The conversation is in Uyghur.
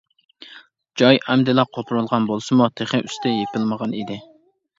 جاي ئەمدىلا قوپۇرۇلغان بولسىمۇ، تېخى ئۈستى يېپىلمىغان ئىدى.